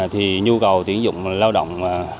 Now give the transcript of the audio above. thì nhu cầu tiễn dụng lao động